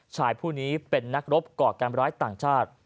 ชายผู้นี้เป็นนักรบก่อการร้ายต่างชาติ